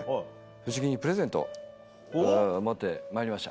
藤木にプレゼント持ってまいりました。